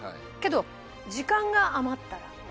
けど時間が余ったら。